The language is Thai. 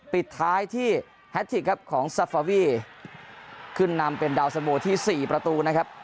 ปิดท้ายที่ครับของขึ้นนำเป็นดาวสมูทที่สี่ประตูนะครับ